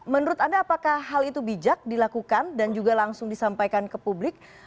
menurut anda apakah hal itu bijak dilakukan dan juga langsung disampaikan ke publik